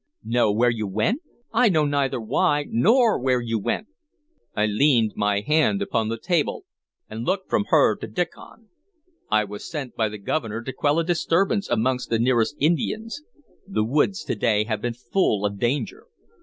Know where you went? I know neither why nor where you went!" I leaned my hand upon the table, and looked from her to Diccon. "I was sent by the Governor to quell a disturbance amongst the nearest Indians. The woods today have been full of danger.